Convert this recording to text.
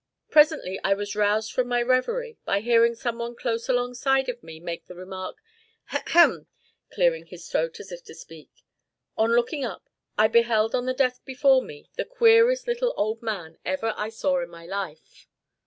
Presently I was roused from my reverie, by hearing some one close alongside of me make the remark, "Hem! hem!" clearing his throat as if to speak. On looking up, I beheld on the desk before me the queerest little old man ever I saw in my life.